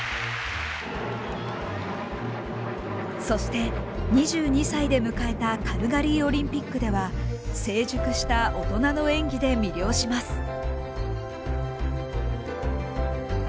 そして２２歳で迎えたカルガリーオリンピックでは成熟した大人の演技で魅了します。